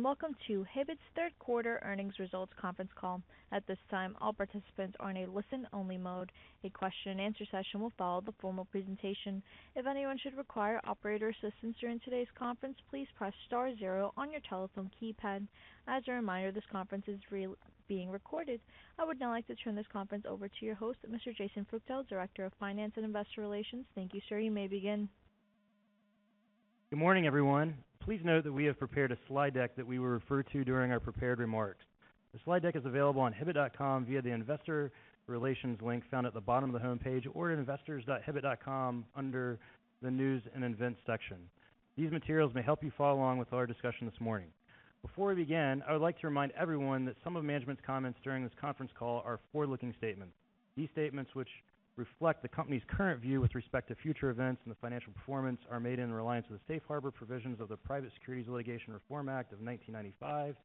Greetings, and welcome to Hibbett's Third Quarter Earnings Results Conference Call. At this time, all participants are in a listen-only mode. A question-and-answer session will follow the formal presentation. If anyone should require operator assistance during today's conference, please press star zero on your telephone keypad. As a reminder, this conference is being recorded. I would now like to turn this conference over to your host, Mr. Jason Freuchtel, Director of Finance and Investor Relations. Thank you, sir. You may begin. Good morning, everyone. Please note that we have prepared a slide deck that we will refer to during our prepared remarks. The slide deck is available on hibbett.com via the Investor Relations link found at the bottom of the homepage or investors.hibbett.com under the News and Events section. These materials may help you follow along with our discussion this morning. Before we begin, I would like to remind everyone that some of management's comments during this conference call are forward-looking statements. These statements, which reflect the company's current view with respect to future events and the financial performance, are made in reliance of the Safe Harbor provisions of the Private Securities Litigation Reform Act of 1995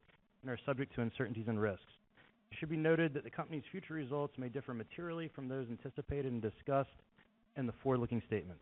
and are subject to uncertainties and risks. It should be noted that the company's future results may differ materially from those anticipated and discussed in the forward-looking statement.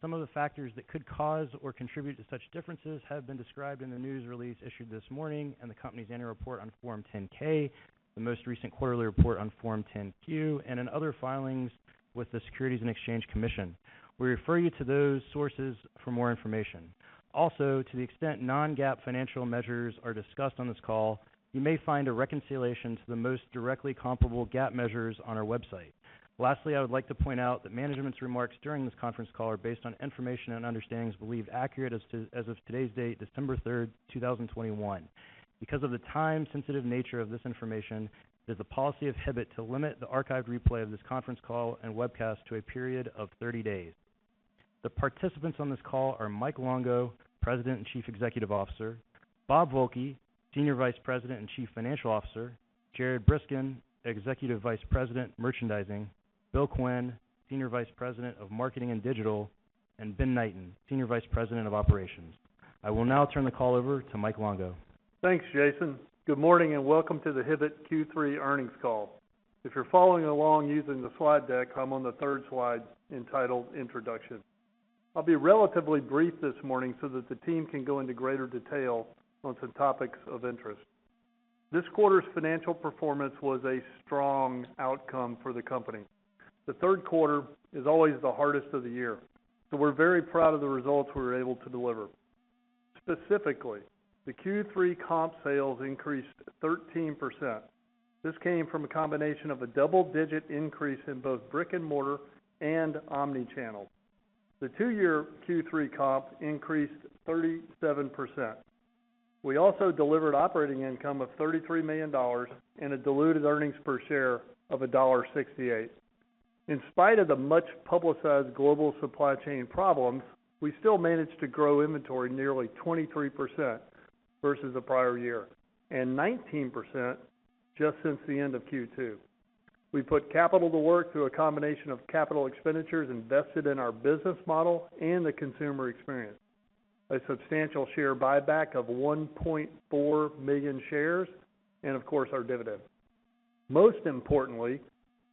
Some of the factors that could cause or contribute to such differences have been described in the news release issued this morning and the company's annual report on Form 10-K, the most recent quarterly report on Form 10-Q, and in other filings with the Securities and Exchange Commission. We refer you to those sources for more information. Also, to the extent non-GAAP financial measures are discussed on this call, you may find a reconciliation to the most directly comparable GAAP measures on our website. Lastly, I would like to point out that management's remarks during this conference call are based on information and understandings believed accurate as of today's date, December 3rd, 2021. Because of the time-sensitive nature of this information, it is the policy of Hibbett to limit the archived replay of this conference call and webcast to a period of 30 days. The participants on this call are Mike Longo, President and Chief Executive Officer, Bob Volke, Senior Vice President and Chief Financial Officer, Jared Briskin, Executive Vice President, Merchandising, Bill Quinn, Senior Vice President of Marketing and Digital, and Ben Knighten, Senior Vice President of Operations. I will now turn the call over to Mike Longo. Thanks, Jason. Good morning, and welcome to the Hibbett Q3 earnings call. If you're following along using the slide deck, I'm on the third slide entitled Introduction. I'll be relatively brief this morning so that the team can go into greater detail on some topics of interest. This quarter's financial performance was a strong outcome for the company. The third quarter is always the hardest of the year, so we're very proud of the results we were able to deliver. Specifically, the Q3 comp sales increased 13%. This came from a combination of a double-digit increase in both brick-and-mortar and omni-channel. The two-year Q3 comp increased 37%. We also delivered operating income of $33 million and a diluted earnings per share of $1.68. In spite of the much-publicized global supply chain problems, we still managed to grow inventory nearly 23% versus the prior year, and 19% just since the end of Q2. We put capital to work through a combination of capital expenditures invested in our business model and the consumer experience, a substantial share buyback of 1.4 million shares, and of course, our dividend. Most importantly,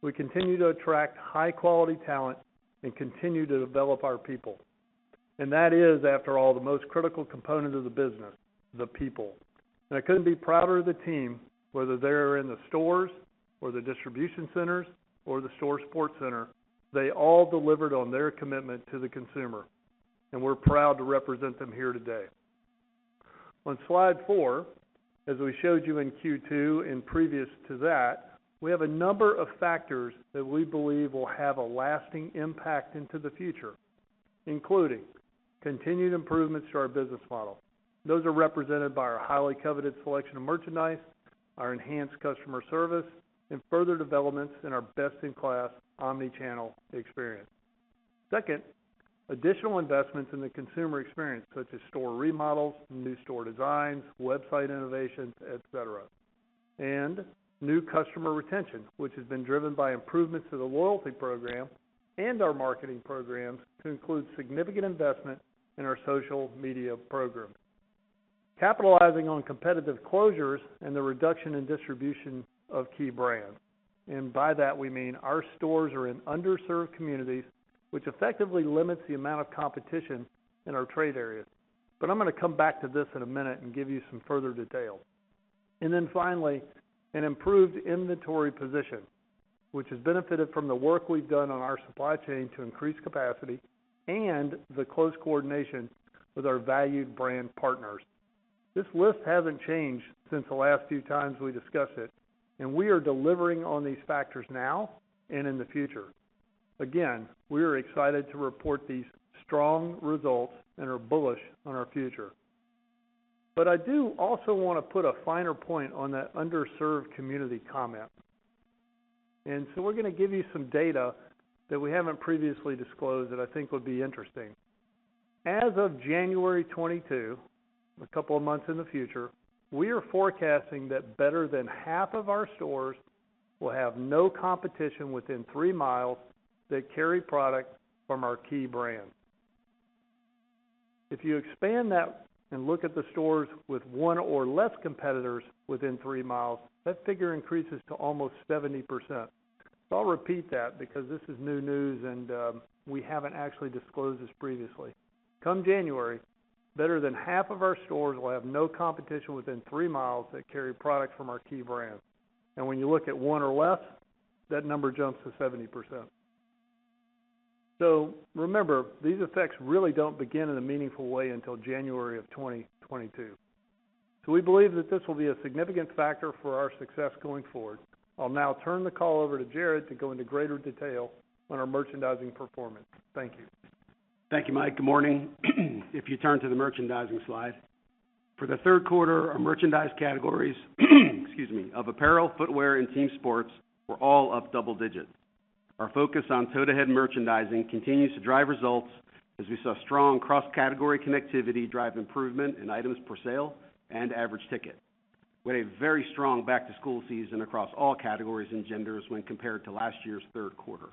we continue to attract high-quality talent and continue to develop our people. That is, after all, the most critical component of the business, the people. I couldn't be prouder of the team, whether they're in the stores or the distribution centers or the store support center. They all delivered on their commitment to the consumer, and we're proud to represent them here today. On slide four, as we showed you in Q2 and previous to that, we have a number of factors that we believe will have a lasting impact into the future, including continued improvements to our business model. Those are represented by our highly coveted selection of merchandise, our enhanced customer service, and further developments in our best-in-class omnichannel experience. Second, additional investments in the consumer experience, such as store remodels, new store designs, website innovations, et cetera, and new customer retention, which has been driven by improvements to the loyalty program and our marketing programs to include significant investment in our social media program. Capitalizing on competitive closures and the reduction in distribution of key brands. By that, we mean our stores are in underserved communities, which effectively limits the amount of competition in our trade areas. I'm going to come back to this in a minute and give you some further detail. Then finally, an improved inventory position, which has benefited from the work we've done on our supply chain to increase capacity and the close coordination with our valued brand partners. This list hasn't changed since the last few times we discussed it, and we are delivering on these factors now and in the future. Again, we are excited to report these strong results and are bullish on our future. I do also want to put a finer point on that underserved community comment. We're going to give you some data that we haven't previously disclosed that I think would be interesting. As of January 2022, a couple of months in the future, we are forecasting that better than half of our stores will have no competition within three miles that carry products from our key brands. If you expand that and look at the stores with one or less competitors within three miles, that figure increases to almost 70%. I'll repeat that because this is new news and, we haven't actually disclosed this previously. Come January, better than half of our stores will have no competition within three miles that carry products from our key brands. When you look at one or less, that number jumps to 70%. Remember, these effects really don't begin in a meaningful way until January of 2022. We believe that this will be a significant factor for our success going forward. I'll now turn the call over to Jared to go into greater detail on our merchandising performance. Thank you. Thank you, Mike. Good morning. If you turn to the merchandising slide. For the third quarter, our merchandise categories, excuse me, of apparel, footwear, and team sports were all up double digits. Our focus on toe-to-head merchandising continues to drive results as we saw strong cross-category connectivity drive improvement in items per sale and average ticket. We had a very strong back-to-school season across all categories and genders when compared to last year's third quarter.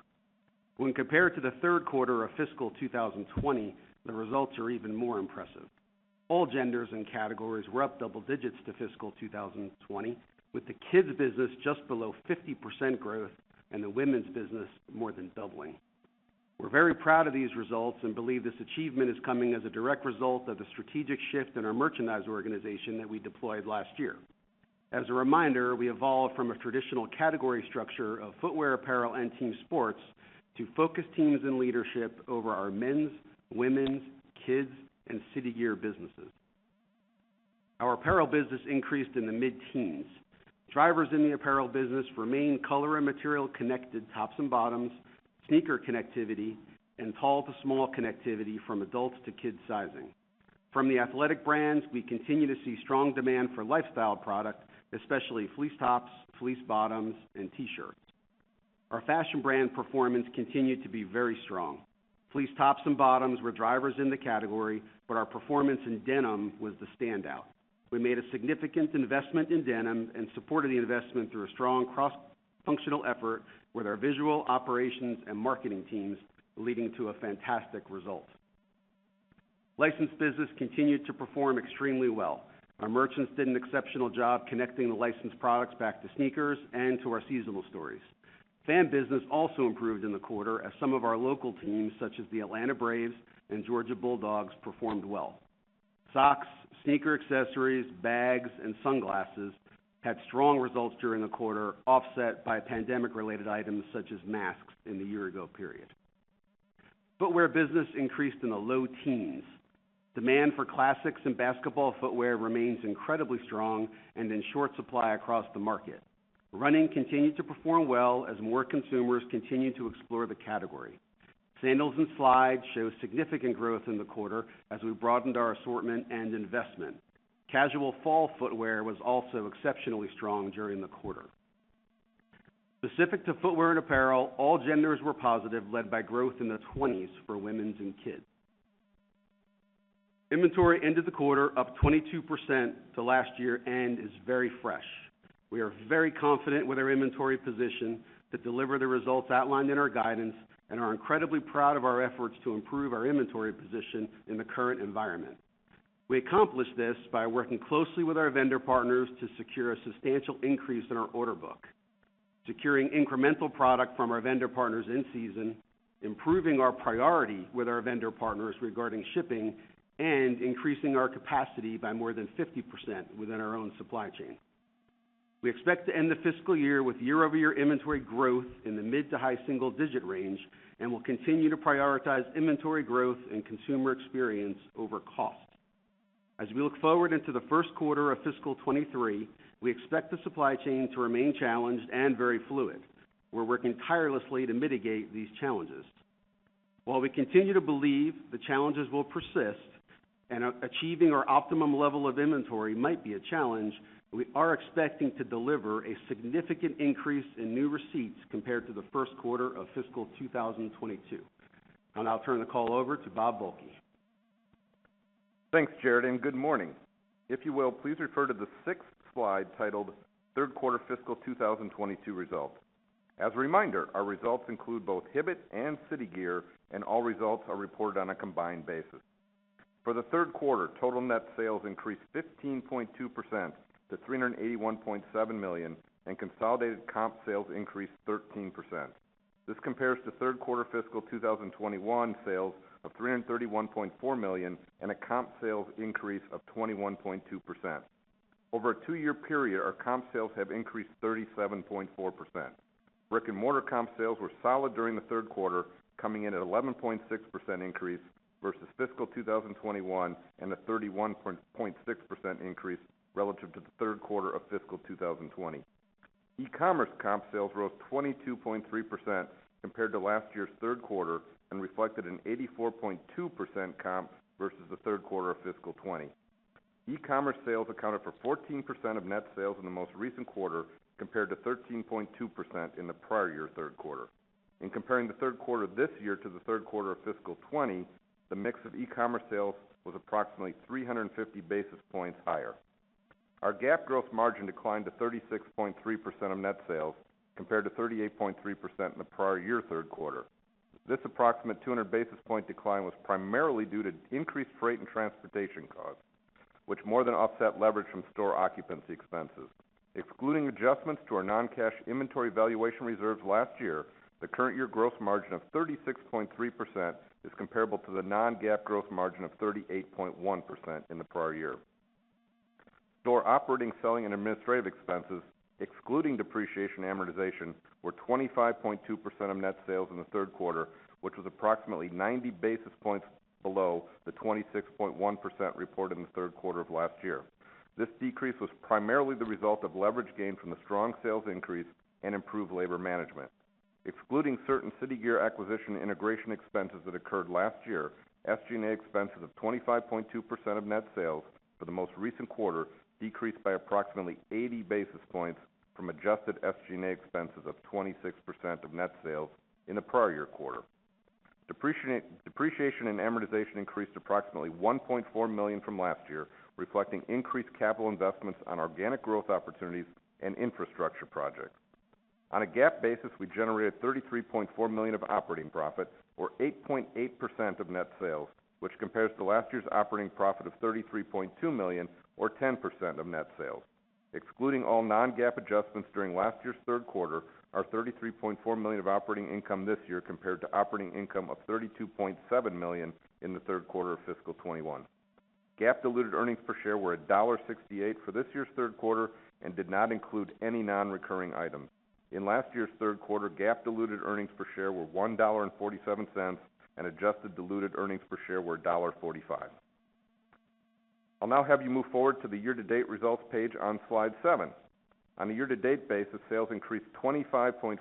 When compared to the third quarter of fiscal 2020, the results are even more impressive. All genders and categories were up double digits to fiscal 2020, with the kids business just below 50% growth and the women's business more than doubling. We're very proud of these results and believe this achievement is coming as a direct result of the strategic shift in our merchandise organization that we deployed last year. As a reminder, we evolved from a traditional category structure of footwear, apparel, and team sports to focus teams and leadership over our men's, women's, kids, and City Gear businesses. Our apparel business increased in the mid-teens. Drivers in the apparel business remain color and material-connected tops and bottoms, sneaker connectivity, and tall to small connectivity from adults to kids sizing. From the athletic brands, we continue to see strong demand for lifestyle product, especially fleece tops, fleece bottoms, and T-shirts. Our fashion brand performance continued to be very strong. Fleece tops and bottoms were drivers in the category, but our performance in denim was the standout. We made a significant investment in denim and supported the investment through a strong cross-functional effort with our visual operations and marketing teams, leading to a fantastic result. Licensed business continued to perform extremely well. Our merchants did an exceptional job connecting the licensed products back to sneakers and to our seasonal stories. Fan business also improved in the quarter as some of our local teams, such as the Atlanta Braves and Georgia Bulldogs, performed well. Socks, sneaker accessories, bags, and sunglasses had strong results during the quarter, offset by pandemic-related items such as masks in the year-ago period. Footwear business increased in the low teens. Demand for classics and basketball footwear remains incredibly strong and in short supply across the market. Running continued to perform well as more consumers continue to explore the category. Sandals and slides showed significant growth in the quarter as we broadened our assortment and investment. Casual fall footwear was also exceptionally strong during the quarter. Specific to footwear and apparel, all genders were positive, led by growth in the 20s for women's and kids. Inventory ended the quarter up 22% to last year and is very fresh. We are very confident with our inventory position to deliver the results outlined in our guidance and are incredibly proud of our efforts to improve our inventory position in the current environment. We accomplished this by working closely with our vendor partners to secure a substantial increase in our order book, securing incremental product from our vendor partners in season, improving our priority with our vendor partners regarding shipping, and increasing our capacity by more than 50% within our own supply chain. We expect to end the fiscal year with year-over-year inventory growth in the mid to high single-digit range and will continue to prioritize inventory growth and consumer experience over cost. As we look forward into the first quarter of fiscal 2023, we expect the supply chain to remain challenged and very fluid. We're working tirelessly to mitigate these challenges. While we continue to believe the challenges will persist and achieving our optimum level of inventory might be a challenge, we are expecting to deliver a significant increase in new receipts compared to the first quarter of fiscal 2022. I'll now turn the call over to Bob Volke. Thanks, Jared, and good morning. If you will, please refer to the sixth slide titled Third Quarter Fiscal 2022 Results. As a reminder, our results include both Hibbett and City Gear, and all results are reported on a combined basis. For the third quarter, total net sales increased 15.2% to $381.7 million, and consolidated comp sales increased 13%. This compares to third quarter fiscal 2021 sales of $331.4 million and a comp sales increase of 21.2%. Over a two-year period, our comp sales have increased 37.4%. Brick-and-mortar comp sales were solid during the third quarter, coming in at 11.6% increase versus fiscal 2021 and a 31.6% increase relative to the third quarter of fiscal 2020. E-commerce comp sales rose 22.3% compared to last year's third quarter and reflected an 84.2% comp versus the third quarter of fiscal 2020. E-commerce sales accounted for 14% of net sales in the most recent quarter, compared to 13.2% in the prior year third quarter. In comparing the third quarter this year to the third quarter of fiscal 2020, the mix of e-commerce sales was approximately 350 basis points higher. Our GAAP gross margin declined to 36.3% of net sales, compared to 38.3% in the prior year third quarter. This approximate 200 basis point decline was primarily due to increased freight and transportation costs, which more than offset leverage from store occupancy expenses. Excluding adjustments to our non-cash inventory valuation reserves last year, the current year gross margin of 36.3% is comparable to the non-GAAP gross margin of 38.1% in the prior year. Store operating, selling and administrative expenses excluding depreciation and amortization were 25.2% of net sales in the third quarter, which was approximately 90 basis points below the 26.1% reported in the third quarter of last year. This decrease was primarily the result of leverage gained from the strong sales increase and improved labor management. Excluding certain City Gear acquisition integration expenses that occurred last year, SG&A expenses of 25.2% of net sales for the most recent quarter decreased by approximately 80 basis points from adjusted SG&A expenses of 26% of net sales in the prior year quarter. Depreciation and amortization increased approximately $1.4 million from last year, reflecting increased capital investments on organic growth opportunities and infrastructure projects. On a GAAP basis, we generated $33.4 million of operating profit or 8.8% of net sales, which compares to last year's operating profit of $33.2 million or 10% of net sales. Excluding all non-GAAP adjustments, operating income for the third quarter was $33.4 million this year compared to operating income of $32.7 million in the third quarter of fiscal 2021. GAAP diluted earnings per share were $1.68 for this year's third quarter and did not include any non-recurring items. In last year's third quarter, GAAP diluted earnings per share were $1.47, and adjusted diluted earnings per share were $1.45. I'll now have you move forward to the year-to-date results page on slide seven. On a year-to-date basis, sales increased 25.4%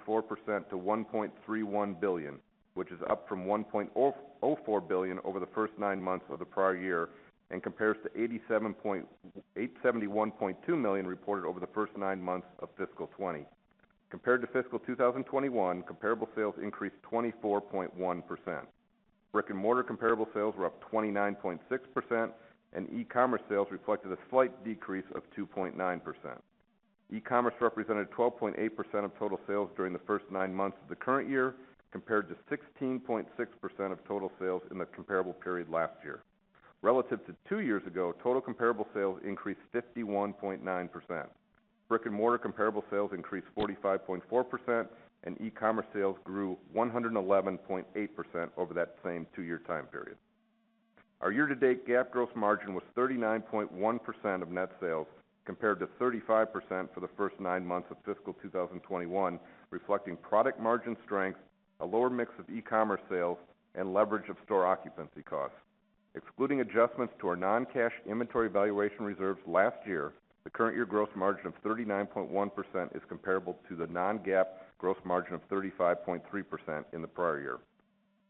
to $1.31 billion, which is up from $1.04 billion over the first nine months of the prior year and compares to $871.2 million reported over the first nine months of fiscal 2020. Compared to fiscal 2021, comparable sales increased 24.1%. Brick-and-mortar comparable sales were up 29.6%, and e-commerce sales reflected a slight decrease of 2.9%. E-commerce represented 12.8% of total sales during the first nine months of the current year, compared to 16.6% of total sales in the comparable period last year. Relative to two years ago, total comparable sales increased 51.9%. Brick-and-mortar comparable sales increased 45.4%, and e-commerce sales grew 111.8% over that same two-year time period. Our year-to-date GAAP gross margin was 39.1% of net sales, compared to 35% for the first nine months of fiscal 2021, reflecting product margin strength, a lower mix of e-commerce sales, and leverage of store occupancy costs. Excluding adjustments to our non-cash inventory valuation reserves last year, the current year gross margin of 39.1% is comparable to the non-GAAP gross margin of 35.3% in the prior year.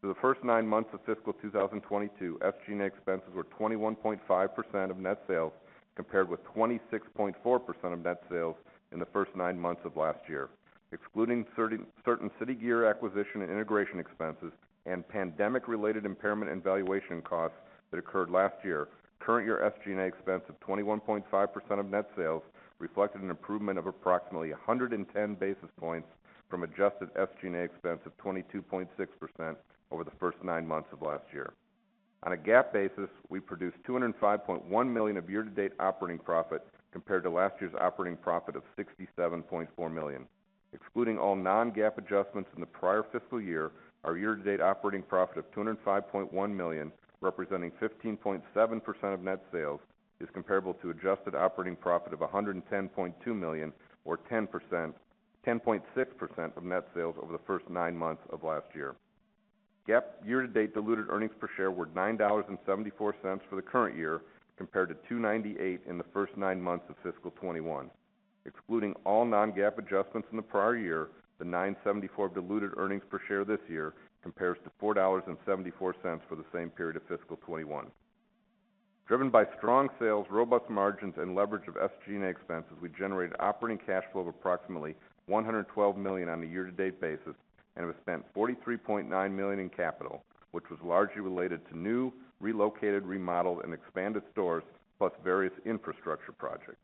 For the first nine months of fiscal 2022, SG&A expenses were 21.5% of net sales, compared with 26.4% of net sales in the first nine months of last year. Excluding certain City Gear acquisition and integration expenses and pandemic-related impairment and valuation costs that occurred last year, current year SG&A expense of 21.5% of net sales reflected an improvement of approximately 110 basis points from adjusted SG&A expense of 22.6% over the first nine months of last year. On a GAAP basis, we produced $205.1 million of year-to-date operating profit, compared to last year's operating profit of $67.4 million. Excluding all non-GAAP adjustments in the prior fiscal year, our year-to-date operating profit of $205.1 million, representing 15.7% of net sales, is comparable to adjusted operating profit of $110.2 million or 10.6% of net sales over the first nine months of last year. GAAP year-to-date diluted earnings per share were $9.74 for the current year, compared to $2.98 in the first nine months of fiscal 2021. Excluding all non-GAAP adjustments in the prior year, the $9.74 diluted earnings per share this year compares to $4.74 for the same period of fiscal 2021. Driven by strong sales, robust margins, and leverage of SG&A expenses, we generated operating cash flow of approximately $112 million on a year-to-date basis, and we spent $43.9 million in capital, which was largely related to new, relocated, remodeled, and expanded stores, plus various infrastructure projects.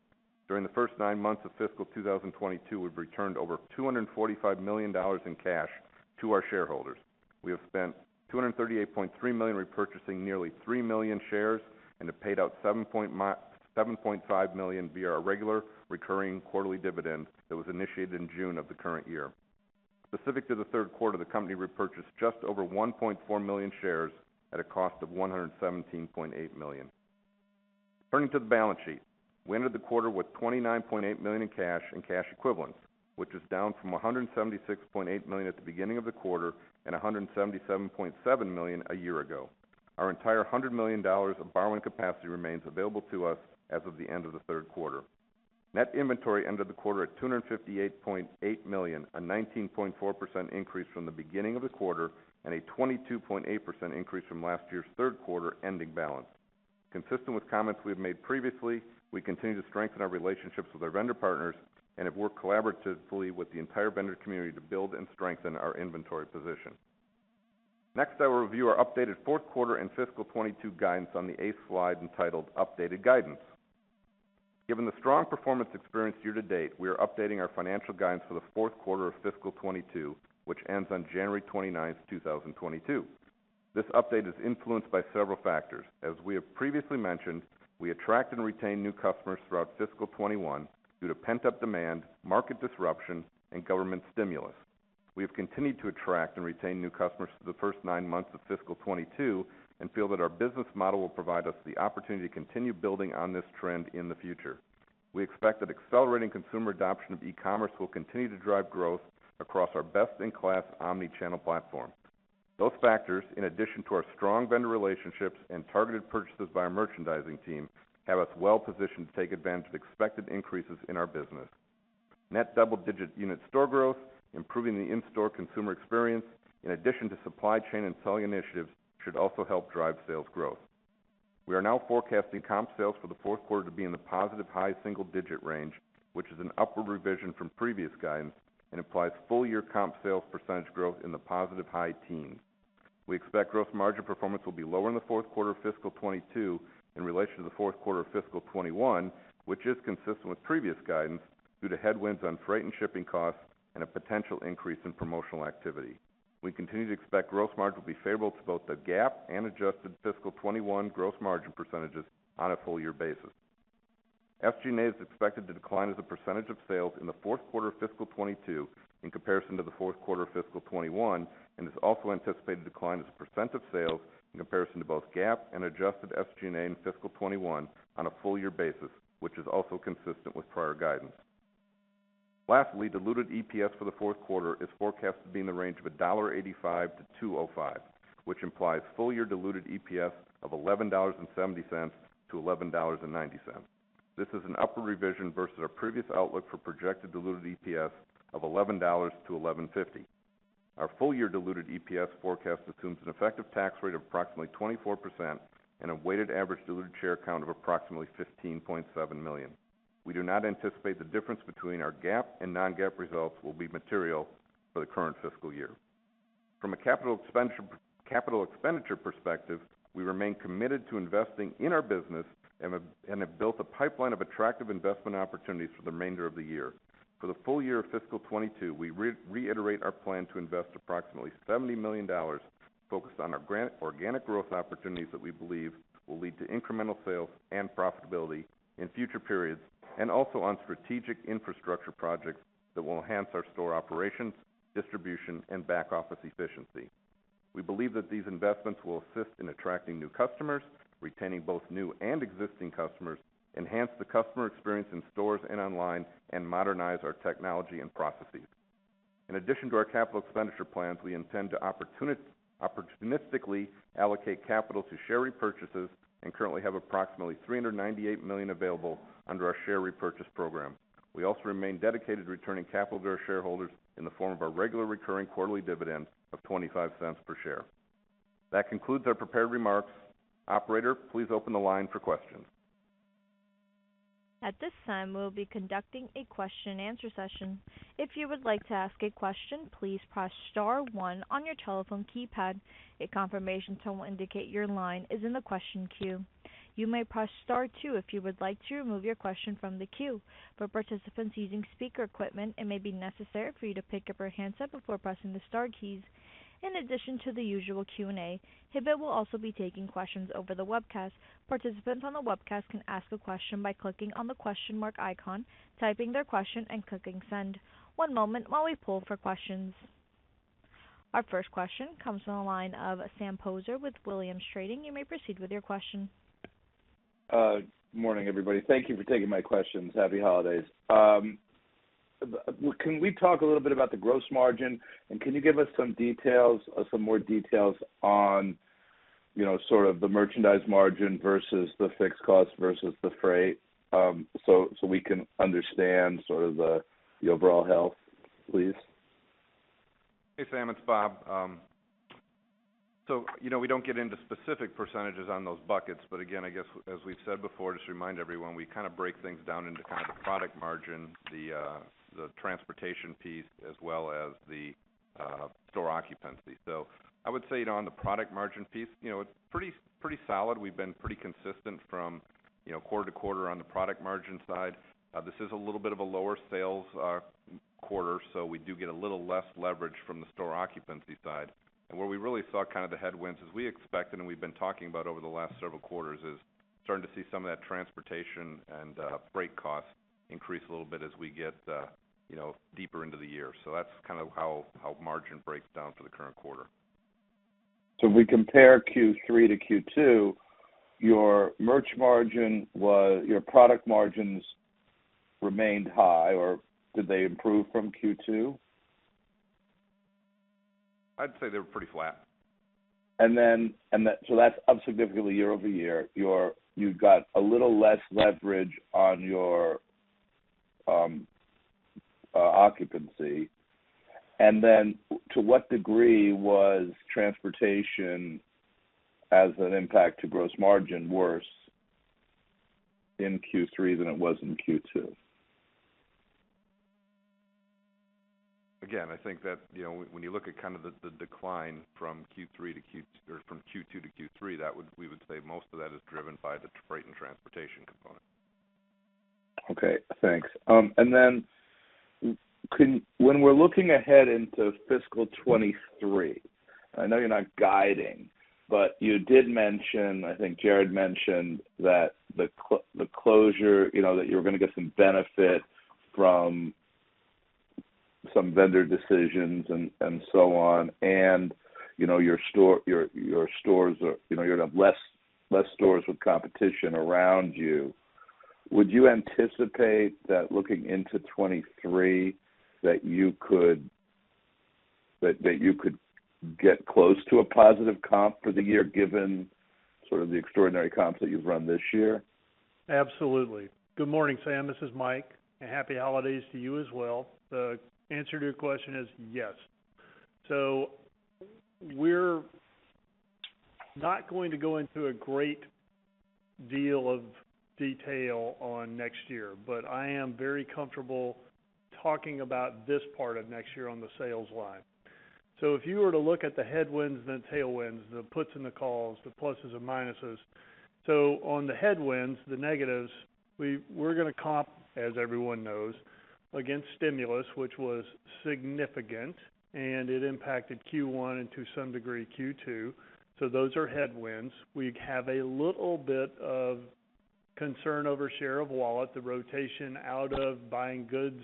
During the first nine months of fiscal 2022, we've returned over $245 million in cash to our shareholders. We have spent $238.3 million repurchasing nearly 3 million shares and have paid out $7.5 million via our regular recurring quarterly dividend that was initiated in June of the current year. Specific to the third quarter, the company repurchased just over 1.4 million shares at a cost of $117.8 million. Turning to the balance sheet. We entered the quarter with $29.8 million in cash and cash equivalents, which is down from $176.8 million at the beginning of the quarter and $177.7 million a year ago. Our entire $100 million of borrowing capacity remains available to us as of the end of the third quarter. Net inventory ended the quarter at $258.8 million, a 19.4% increase from the beginning of the quarter and a 22.8% increase from last year's third quarter ending balance. Consistent with comments we have made previously, we continue to strengthen our relationships with our vendor partners and have worked collaboratively with the entire vendor community to build and strengthen our inventory position. Next, I will review our updated fourth quarter and fiscal 2022 guidance on the eighth slide entitled Updated Guidance. Given the strong performance experienced year to date, we are updating our financial guidance for the fourth quarter of fiscal 2022, which ends on January 29, 2022. This update is influenced by several factors. As we have previously mentioned, we attract and retain new customers throughout fiscal 2021 due to pent-up demand, market disruption, and government stimulus. We have continued to attract and retain new customers through the first nine months of fiscal 2022 and feel that our business model will provide us the opportunity to continue building on this trend in the future. We expect that accelerating consumer adoption of e-commerce will continue to drive growth across our best-in-class omni-channel platform. Those factors, in addition to our strong vendor relationships and targeted purchases by our merchandising team, have us well positioned to take advantage of expected increases in our business. Net double-digit unit store growth, improving the in-store consumer experience, in addition to supply chain and selling initiatives, should also help drive sales growth. We are now forecasting comp sales for the fourth quarter to be in the positive high single-digit range, which is an upward revision from previous guidance and implies full-year comp sales percentage growth in the positive high teens. We expect gross margin performance will be lower in the fourth quarter of fiscal 2022 in relation to the fourth quarter of fiscal 2021, which is consistent with previous guidance due to headwinds on freight and shipping costs and a potential increase in promotional activity. We continue to expect gross margin will be favorable to both the GAAP and adjusted fiscal 2021 gross margin percentages on a full-year basis. SG&A is expected to decline as a percentage of sales in the fourth quarter of fiscal 2022 in comparison to the fourth quarter of fiscal 2021 and is also anticipated to decline as a percent of sales in comparison to both GAAP and adjusted SG&A in fiscal 2021 on a full-year basis, which is also consistent with prior guidance. Lastly, diluted EPS for the fourth quarter is forecasted to be in the range of $1.85-$2.05, which implies full-year diluted EPS of $11.70-$11.90. This is an upward revision versus our previous outlook for projected diluted EPS of $11-$11.50. Our full-year diluted EPS forecast assumes an effective tax rate of approximately 24% and a weighted average diluted share count of approximately 15.7 million. We do not anticipate the difference between our GAAP and non-GAAP results will be material for the current fiscal year. From a capital expenditure perspective, we remain committed to investing in our business and have built a pipeline of attractive investment opportunities for the remainder of the year. For the full year of fiscal 2022, we reiterate our plan to invest approximately $70 million focused on our organic growth opportunities that we believe will lead to incremental sales and profitability in future periods, and also on strategic infrastructure projects that will enhance our store operations, distribution, and back office efficiency. We believe that these investments will assist in attracting new customers, retaining both new and existing customers, enhance the customer experience in stores and online, and modernize our technology and processes. In addition to our capital expenditure plans, we intend to opportunistically allocate capital to share repurchases and currently have approximately $398 million available under our share repurchase program. We also remain dedicated to returning capital to our shareholders in the form of our regular recurring quarterly dividend of $0.25 per share. That concludes our prepared remarks. Operator, please open the line for questions. At this time, we will be conducting a question and answer session. If you would like to ask a question, please press star one on your telephone keypad. A confirmation tone will indicate your line is in the question queue. You may press star two if you would like to remove your question from the queue. For participants using speaker equipment, it may be necessary for you to pick up your handset before pressing the star keys. In addition to the usual Q&A, Hibbett will also be taking questions over the webcast. Participants on the webcast can ask a question by clicking on the question mark icon, typing their question, and clicking Send. One moment while we poll for questions. Our first question comes from the line of Sam Poser with Williams Trading. You may proceed with your question. Morning, everybody. Thank you for taking my questions. Happy holidays. Can we talk a little bit about the gross margin, and can you give us some details, some more details on, you know, sort of the merchandise margin versus the fixed cost versus the freight, so we can understand sort of the overall health, please? Hey, Sam. It's Bob. You know, we don't get into specific percentages on those buckets, but again, I guess as we've said before, just to remind everyone, we kind of break things down into kind of the product margin, the transportation piece, as well as the store occupancy. I would say on the product margin piece, you know, it's pretty solid. We've been pretty consistent from, you know, quarter to quarter on the product margin side. This is a little bit of a lower sales quarter, so we do get a little less leverage from the store occupancy side. where we really saw kind of the headwinds, as we expected, and we've been talking about over the last several quarters, is starting to see some of that transportation and, freight costs increase a little bit as we get, you know, deeper into the year. So that's kind of how margin breaks down for the current quarter. If we compare Q3 to Q2, your product margins remained high, or did they improve from Q2? I'd say they were pretty flat. That's up significantly year-over-year. You've got a little less leverage on your occupancy. To what degree was transportation as an impact to gross margin worse in Q3 than it was in Q2? Again, I think that, you know, when you look at kind of the decline from Q3 to Q2, or from Q2 to Q3, that would, we would say most of that is driven by the freight and transportation component. Okay. Thanks. When we're looking ahead into fiscal 2023, I know you're not guiding, but you did mention, I think Jared mentioned that the closure, you know, that you were going to get some benefit from some vendor decisions and so on. You know, your stores are, you know, you're going to have less stores with competition around you. Would you anticipate that looking into 2023, that you could get close to a positive comp for the year given sort of the extraordinary comps that you've run this year? Absolutely. Good morning, Sam. This is Mike. Happy holidays to you as well. The answer to your question is yes. We're not going to go into a great deal of detail on next year, but I am very comfortable talking about this part of next year on the sales line. If you were to look at the headwinds and tailwinds, the puts and the calls, the pluses and minuses. On the headwinds, the negatives, we're going to comp, as everyone knows, against stimulus, which was significant, and it impacted Q1 and to some degree, Q2. Those are headwinds. We have a little bit of concern over share of wallet, the rotation out of buying goods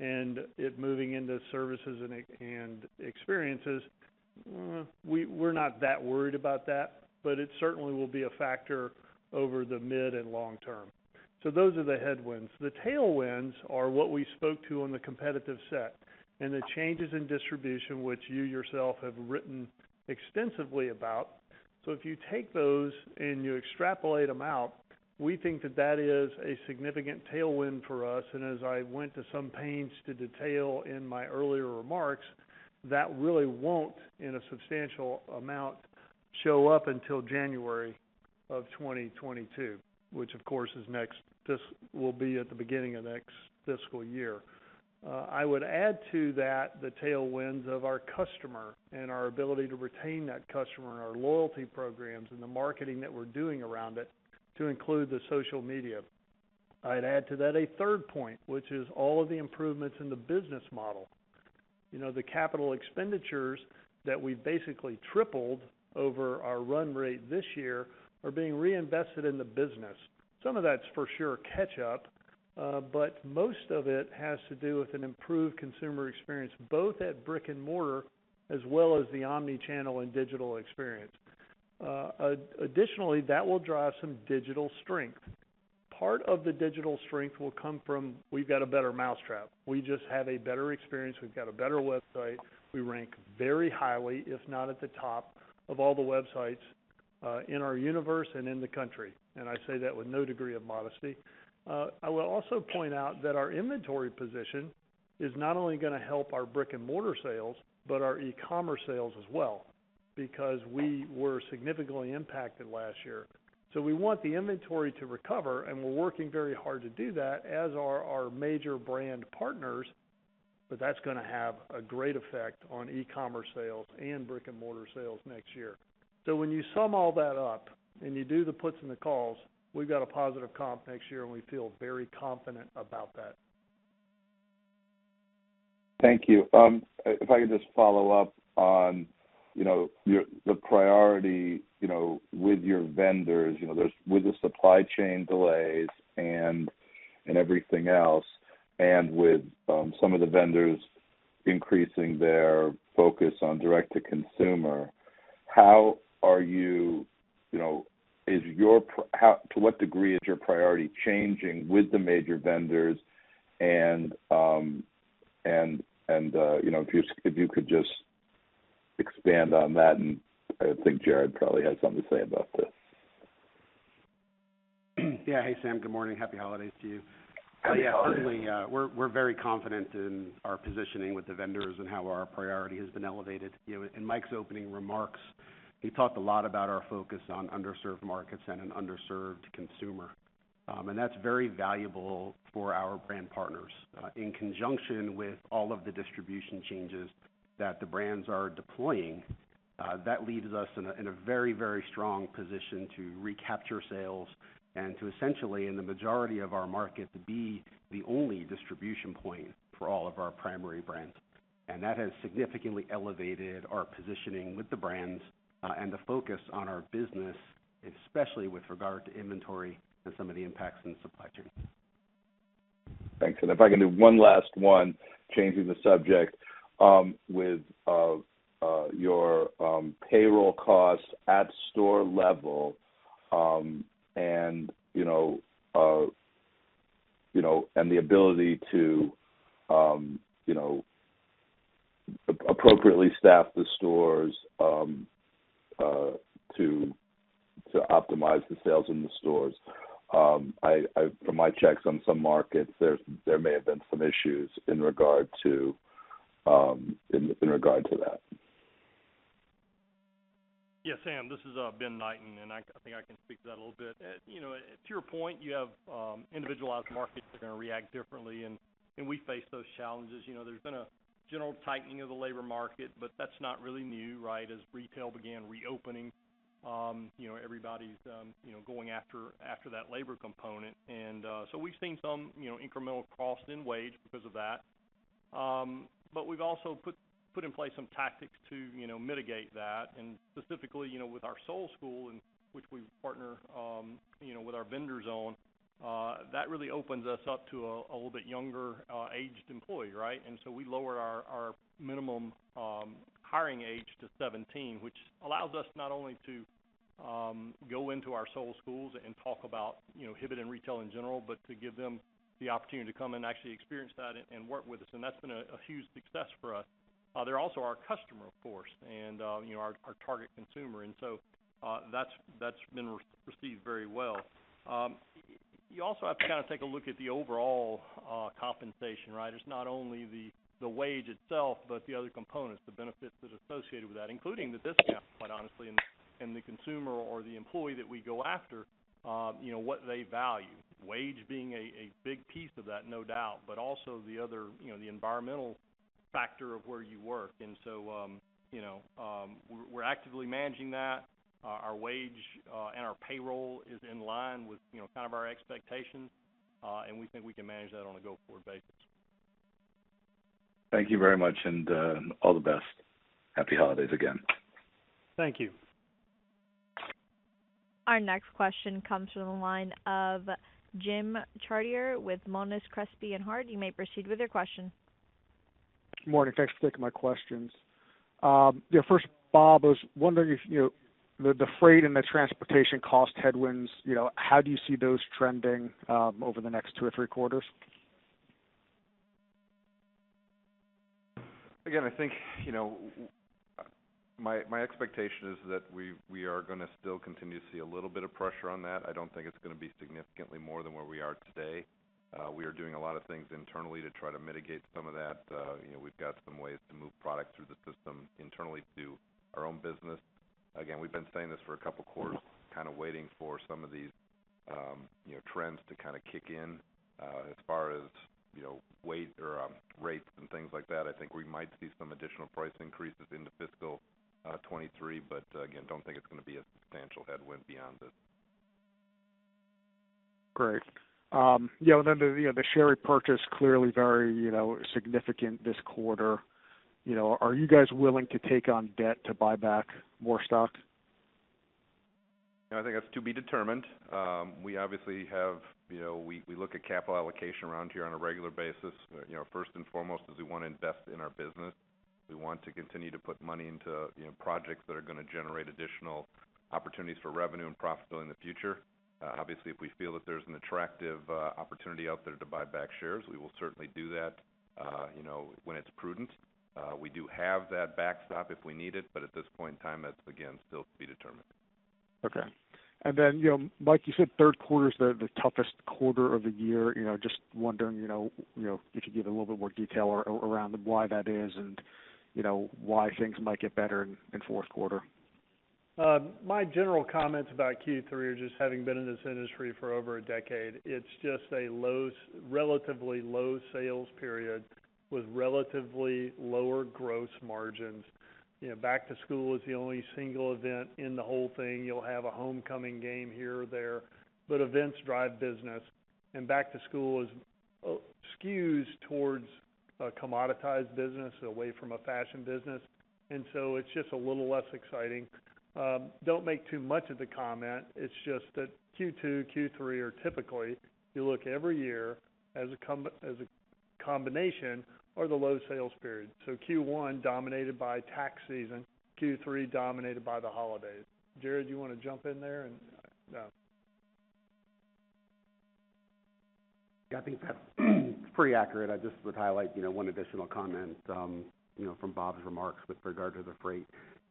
and it moving into services and e-commerce and experiences. We're not that worried about that, but it certainly will be a factor over the mid and long term. Those are the headwinds. The tailwinds are what we spoke to on the competitive set and the changes in distribution, which you yourself have written extensively about. If you take those and you extrapolate them out, we think that that is a significant tailwind for us. As I went to some pains to detail in my earlier remarks, that really won't, in a substantial amount, show up until January 2022, which of course is next. This will be at the beginning of next fiscal year. I would add to that, the tailwinds of our customer and our ability to retain that customer and our loyalty programs and the marketing that we're doing around it to include the social media. I'd add to that a third point, which is all of the improvements in the business model. You know, the capital expenditures that we basically tripled over our run rate this year are being reinvested in the business. Some of that's for sure catch up, but most of it has to do with an improved consumer experience, both at brick-and-mortar as well as the omni-channel and digital experience. Additionally, that will drive some digital strength. Part of the digital strength will come from, we've got a better mousetrap. We just have a better experience. We've got a better website. We rank very highly, if not at the top of all the websites, in our universe and in the country. I say that with no degree of modesty. I will also point out that our inventory position is not only going to help our brick-and-mortar sales, but our e-commerce sales as well, because we were significantly impacted last year. We want the inventory to recover, and we're working very hard to do that, as are our major brand partners. That's going to have a great effect on e-commerce sales and brick-and-mortar sales next year. When you sum all that up and you do the puts and the calls, we've got a positive comp next year, and we feel very confident about that. Thank you. If I could just follow up on your priority with your vendors. You know, with the supply chain delays and everything else, and with some of the vendors increasing their focus on direct to consumer, to what degree is your priority changing with the major vendors? If you could just expand on that, and I think Jared probably has something to say about this. Yeah. Hey, Sam. Good morning. Happy holidays to you. Happy holidays. Yeah, certainly, we're very confident in our positioning with the vendors and how our priority has been elevated. You know, in Mike's opening remarks, he talked a lot about our focus on underserved markets and an underserved consumer. That's very valuable for our brand partners. In conjunction with all of the distribution changes that the brands are deploying, that leaves us in a very strong position to recapture sales and to essentially, in the majority of our market, to be the only distribution point for all of our primary brands. That has significantly elevated our positioning with the brands and the focus on our business, especially with regard to inventory and some of the impacts in the supply chain. Thanks. If I can do one last one, changing the subject. With your payroll costs at store level, and you know, the ability to appropriately staff the stores to optimize the sales in the stores. From my checks on some markets, there may have been some issues in regard to that. Yeah, Sam, this is Ben Knighten, and I think I can speak to that a little bit. You know, to your point, you have individualized markets that are going to react differently and we face those challenges. You know, there's been a general tightening of the labor market, but that's not really new, right? As retail began reopening, you know, everybody's you know, going after after that labor component. So we've seen some you know, incremental cost in wage because of that. We've also put in place some tactics to you know, mitigate that. Specifically, you know, with our Sole School, in which we partner you know, with our vendors on that really opens us up to a little bit younger aged employee, right? We lower our minimum hiring age to 17, which allows us not only to go into our Sole Schools and talk about, you know, Hibbett and retail in general, but to give them the opportunity to come and actually experience that and work with us. That's been a huge success for us. They're also our customer, of course, and you know, our target consumer. That's been received very well. You also have to kind of take a look at the overall compensation, right? It's not only the wage itself, but the other components, the benefits that are associated with that, including the discount, quite honestly, and the consumer or the employee that we go after, you know, what they value. Wage being a big piece of that, no doubt, but also the other, you know, the environmental factor of where you work. You know, we're actively managing that. Our wage and our payroll is in line with, you know, kind of our expectations. We think we can manage that on a go-forward basis. Thank you very much and all the best. Happy holidays again. Thank you. Our next question comes from the line of Jim Chartier with Monness, Crespi, Hardt. You may proceed with your question. Morning. Thanks for taking my questions. Yeah, first, Bob, I was wondering if, you know, the freight and the transportation cost headwinds, you know, how do you see those trending over the next two or three quarters? I think, you know, my expectation is that we are going to still continue to see a little bit of pressure on that. I don't think it's going to be significantly more than where we are today. We are doing a lot of things internally to try to mitigate some of that. You know, we've got some ways to move products through the system internally to our own business. We've been saying this for a couple of quarters, kind of waiting for some of these, you know, trends to kind of kick in. As far as, you know, freight or rates and things like that, I think we might see some additional price increases into fiscal 2023, but again, don't think it's going to be a substantial headwind beyond this. Great. Yeah, you know, the share repurchase clearly very, you know, significant this quarter. You know, are you guys willing to take on debt to buy back more stocks? I think that's to be determined. We obviously have, you know, we look at capital allocation around here on a regular basis. You know, first and foremost is we want to invest in our business. We want to continue to put money into, you know, projects that are going to generate additional opportunities for revenue and profitability in the future. Obviously, if we feel that there's an attractive opportunity out there to buy back shares, we will certainly do that, you know, when it's prudent. We do have that backstop if we need it, but at this point in time, that's again, still to be determined. Okay. You know, Mike, you said third quarter is the toughest quarter of the year. You know, just wondering, you know, if you could give a little bit more detail around why that is and, you know, why things might get better in fourth quarter. My general comments about Q3 are just having been in this industry for over a decade. It's just a relatively low sales period with relatively lower gross margins. You know, back to school is the only single event in the whole thing. You'll have a homecoming game here or there, but events drive business. Back to school skews towards a commoditized business away from a fashion business. It's just a little less exciting. Don't make too much of the comment. It's just that Q2, Q3 are typically, you look every year as a combination or the low sales period. Q1 dominated by tax season, Q3 dominated by the holidays. Jared, do you want to jump in there and. Yeah. Yeah, I think that's pretty accurate. I just would highlight, you know, one additional comment, you know, from Bob Volke's remarks with regard to the freight.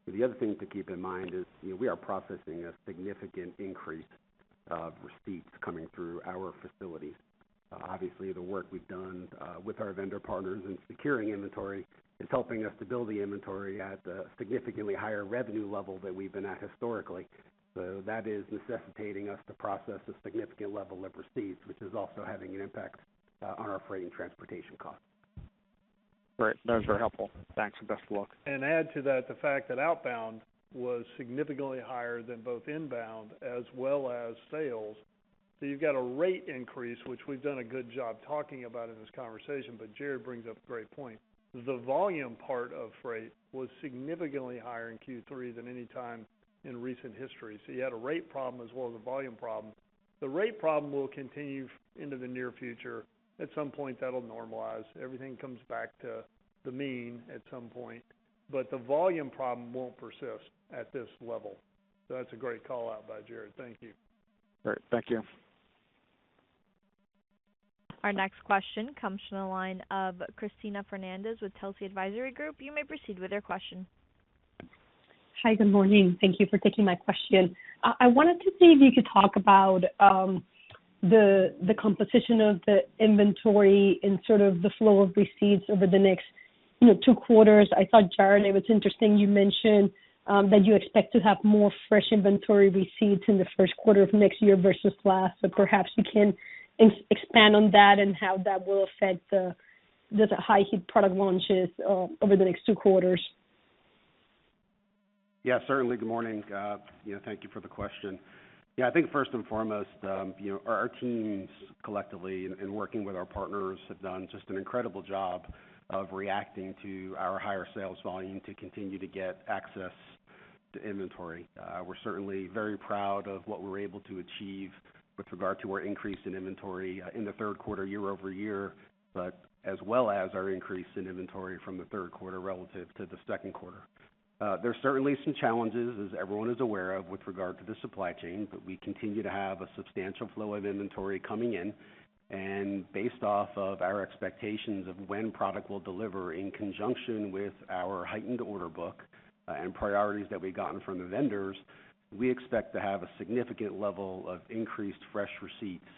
The other thing to keep in mind is, you know, we are processing a significant increase of receipts coming through our facility. Obviously, the work we've done with our vendor partners in securing inventory is helping us to build the inventory at a significantly higher revenue level than we've been at historically. That is necessitating us to process a significant level of receipts, which is also having an impact on our freight and transportation costs. Great. Those are helpful. Thanks, and best of luck. Add to that the fact that outbound was significantly higher than both inbound as well as sales. You've got a rate increase, which we've done a good job talking about in this conversation, but Jared brings up a great point. The volume part of freight was significantly higher in Q3 than any time in recent history. You had a rate problem as well as a volume problem. The rate problem will continue into the near future. At some point, that'll normalize. Everything comes back to the mean at some point. The volume problem won't persist at this level. That's a great call out by Jared. Thank you. All right. Thank you. Our next question comes from the line of Cristina Fernández with Telsey Advisory Group. You may proceed with your question. Hi, good morning. Thank you for taking my question. I wanted to see if you could talk about the composition of the inventory and sort of the flow of receipts over the next, you know, two quarters. I thought, Jared, it was interesting you mentioned that you expect to have more fresh inventory receipts in the first quarter of next year versus last. Perhaps you can expand on that and how that will affect the high heat product launches over the next two quarters. Yeah, certainly. Good morning, you know, thank you for the question. Yeah, I think first and foremost, you know, our teams collectively in working with our partners have done just an incredible job of reacting to our higher sales volume to continue to get access to inventory. We're certainly very proud of what we were able to achieve with regard to our increase in inventory in the third quarter year-over-year, but as well as our increase in inventory from the third quarter relative to the second quarter. There's certainly some challenges, as everyone is aware of, with regard to the supply chain, but we continue to have a substantial flow of inventory coming in. Based off of our expectations of when product will deliver in conjunction with our heightened order book, and priorities that we've gotten from the vendors, we expect to have a significant level of increased fresh receipts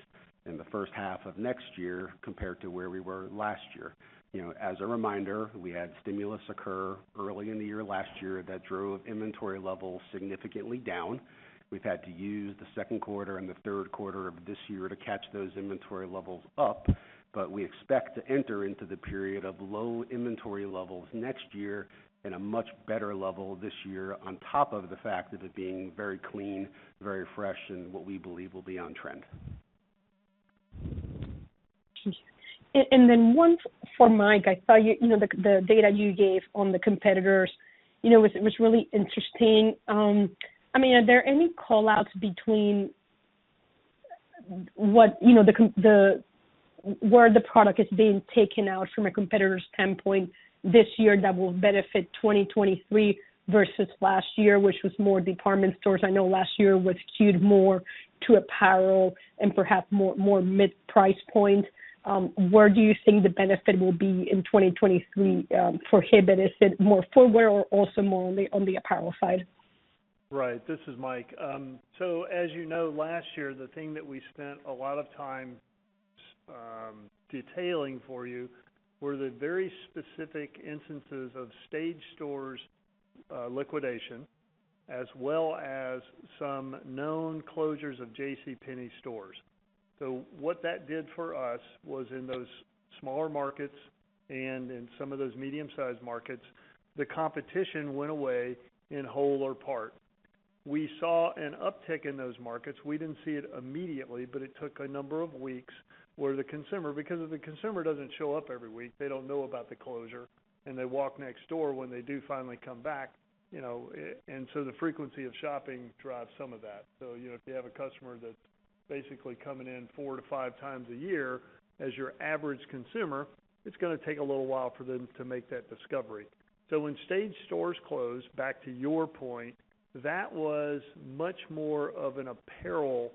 in the first half of next year compared to where we were last year. You know, as a reminder, we had stimulus occur early in the year last year that drove inventory levels significantly down. We've had to use the second quarter and the third quarter of this year to catch those inventory levels up. We expect to enter into the period of low inventory levels next year at a much better level this year on top of the fact of it being very clean, very fresh, and what we believe will be on trend. One for Mike. I saw the data you gave on the competitors. It was really interesting. Are there any call-outs between what the where the product is being taken out from a competitor's standpoint this year that will benefit 2023 versus last year, which was more department stores? I know last year was skewed more to apparel and perhaps mid price point. Where do you think the benefit will be in 2023 for Hibbett? Is it more footwear or also more on the apparel side? Right. This is Mike. As you know, last year, the thing that we spent a lot of time detailing for you were the very specific instances of Stage Stores liquidation, as well as some known closures of JCPenney stores. What that did for us was in those smaller markets and in some of those medium-sized markets, the competition went away in whole or part. We saw an uptick in those markets. We didn't see it immediately, but it took a number of weeks where the consumer, because if the consumer doesn't show up every week, they don't know about the closure, and they walk next door when they do finally come back, you know. And so the frequency of shopping drives some of that. You know, if you have a customer that's basically coming in 4x to 5x a year as your average consumer, it's going to take a little while for them to make that discovery. When Stage Stores closed, back to your point, that was much more of an apparel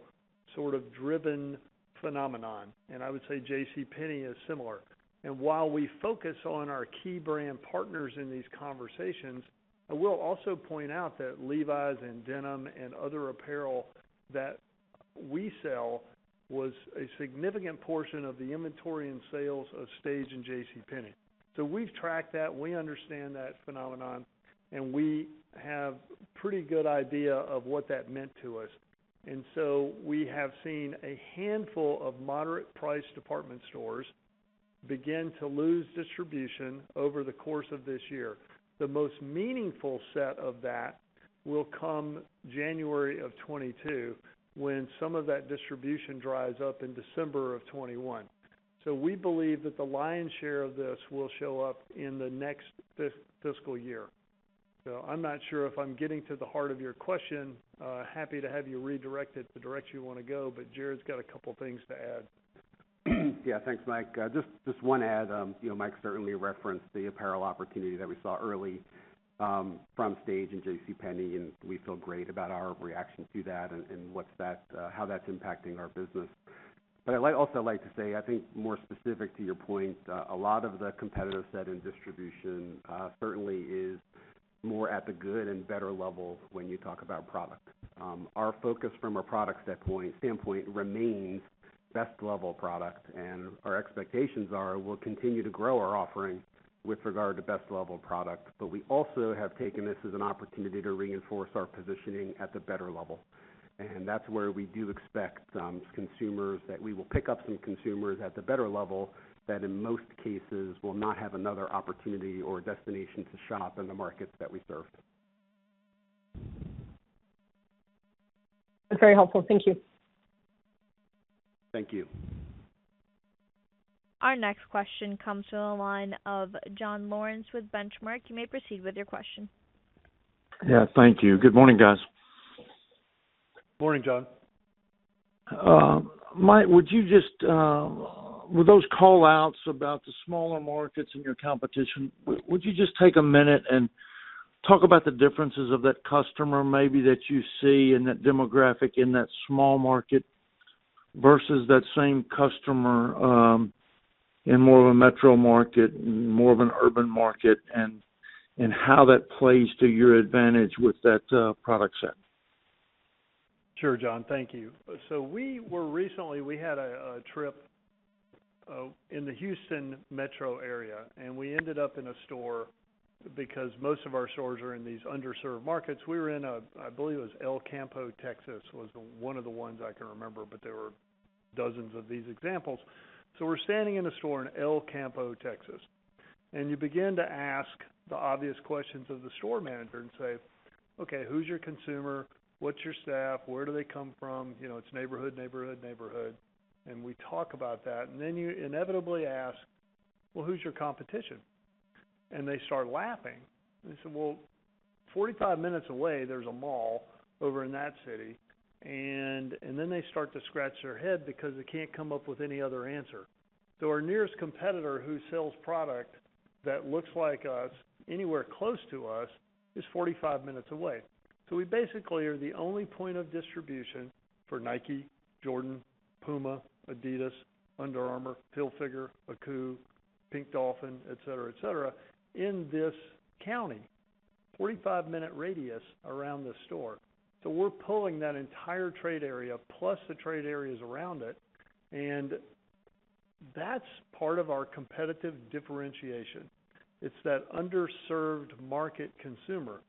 sort of driven phenomenon, and I would say JCPenney is similar. While we focus on our key brand partners in these conversations, I will also point out that Levi's and denim and other apparel that we sell was a significant portion of the inventory and sales of Stage and JCPenney. We've tracked that, we understand that phenomenon, and we have pretty good idea of what that meant to us. We have seen a handful of moderate-priced department stores begin to lose distribution over the course of this year. The most meaningful set of that will come January of 2022, when some of that distribution dries up in December of 2021. We believe that the lion's share of this will show up in the next fiscal year. I'm not sure if I'm getting to the heart of your question. Happy to have you redirect it the direction you want to go, but Jared's got a couple things to add. Yeah, thanks, Mike. Just one add. You know, Mike certainly referenced the apparel opportunity that we saw early from Stage Stores and JCPenney, and we feel great about our reaction to that and what that how that's impacting our business. I'd also like to say, I think more specific to your point, a lot of the competitive set in distribution certainly is more at the good and better levels when you talk about product. Our focus from a product standpoint remains best level product, and our expectations are we'll continue to grow our offering with regard to best level product. We also have taken this as an opportunity to reinforce our positioning at the better level. That's where we do expect that we will pick up some consumers at the better level that in most cases will not have another opportunity or destination to shop in the markets that we serve. That's very helpful. Thank you. Thank you. Our next question comes from the line of John Lawrence with Benchmark. You may proceed with your question. Yeah, thank you. Good morning, guys. Morning, John. Mike, would you just, with those call-outs about the smaller markets and your competition, take a minute and talk about the differences of that customer maybe that you see in that demographic, in that small market versus that same customer? In more of a metro market, in more of an urban market, and how that plays to your advantage with that product set. Sure, John, thank you. We were recently we had a trip in the Houston metro area, and we ended up in a store because most of our stores are in these underserved markets. We were in, I believe it was El Campo, Texas, was one of the ones I can remember, but there were dozens of these examples. We're standing in a store in El Campo, Texas, and you begin to ask the obvious questions of the store manager and say, "Okay, who's your consumer? What's your staff? Where do they come from?" You know, it's neighborhood, neighborhood. We talk about that. You inevitably ask, "Well, who's your competition?" They start laughing and they say, "Well, 45 minutes away, there's a mall over in that city." Then they start to scratch their head because they can't come up with any other answer. Our nearest competitor who sells product that looks like us anywhere close to us is 45 minutes away. We basically are the only point of distribution for Nike, Jordan, PUMA, adidas, Under Armour, Hilfiger, AKOO, Pink Dolphin, et cetera, et cetera, in this county, 45-minute radius around the store. We're pulling that entire trade area plus the trade areas around it, and that's part of our competitive differentiation. It's that underserved market consumer.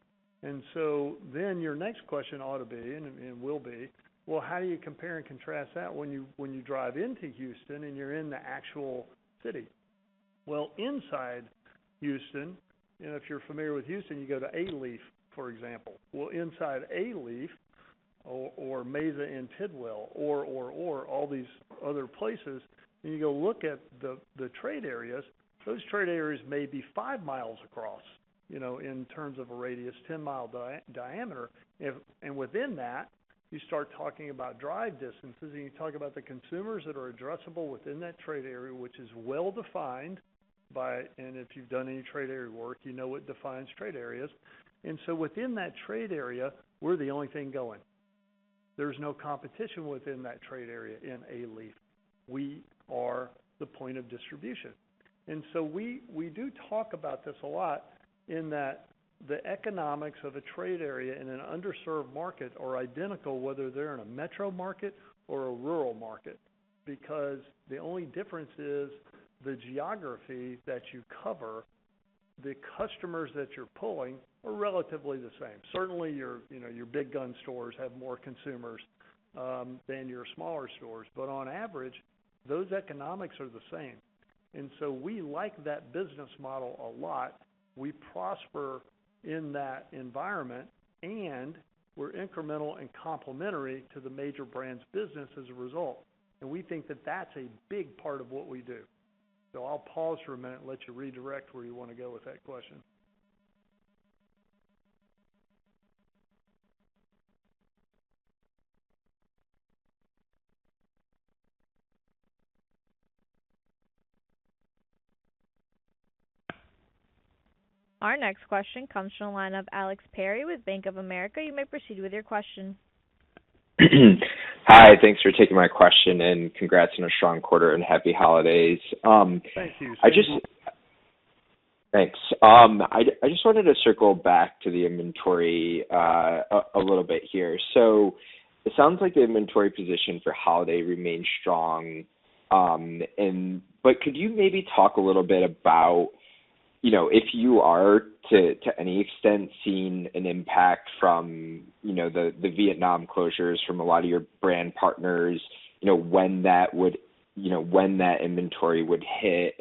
Your next question ought to be and will be, well, how do you compare and contrast that when you, when you drive into Houston and you're in the actual city? Well, inside Houston, you know, if you're familiar with Houston, you go to Alief, for example. Well, inside Alief or Mesa and Tidwell or all these other places, and you go look at the trade areas, those trade areas may be five miles across, you know, in terms of a radius, 10-mile diameter. And within that, you start talking about drive distances, and you talk about the consumers that are addressable within that trade area, which is well defined by. And if you've done any trade area work, you know what defines trade areas. Within that trade area, we're the only thing going. There's no competition within that trade area in Alief. We are the point of distribution. We do talk about this a lot in that the economics of a trade area in an underserved market are identical, whether they're in a metro market or a rural market. Because the only difference is the geography that you cover, the customers that you're pulling are relatively the same. Certainly your, you know, your big gun stores have more consumers than your smaller stores. On average, those economics are the same. We like that business model a lot. We prosper in that environment, and we're incremental and complementary to the major brands business as a result. We think that that's a big part of what we do. I'll pause for a minute and let you redirect where you want to go with that question. Our next question comes from the line of Alex Perry with Bank of America. You may proceed with your question. Hi, thanks for taking my question, and congrats on a strong quarter and happy holidays. Thank you. Thanks. I just wanted to circle back to the inventory a little bit here. It sounds like the inventory position for holiday remains strong, but could you maybe talk a little bit about, you know, if you are to any extent seeing an impact from, you know, the Vietnam closures from a lot of your brand partners, you know, when that would, you know, when that inventory would hit?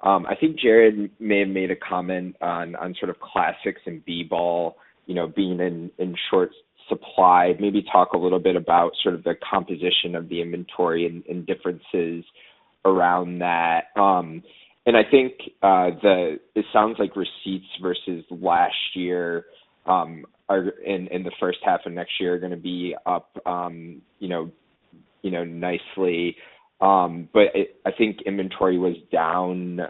I think Jared may have made a comment on sort of classics and B-ball, you know, being in short supply. Maybe talk a little bit about sort of the composition of the inventory and differences around that. I think it sounds like receipts versus last year are in the first half of next year going to be up, you know, nicely. I think inventory was down,